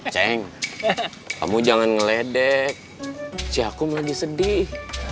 ceng kamu jangan ngeledek cia kum lagi sedih